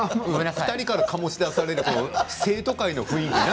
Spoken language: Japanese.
２人から醸し出される生徒会の雰囲気ね。